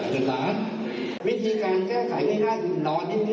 มันโดนเจ้าตายที่ไหน